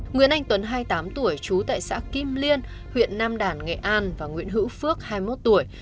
nguyễn anh tuấn hai mươi tám tuổi trú tại xã kim liên huyện nam đản nghệ an và nguyễn hữu phước hai mươi một tuổi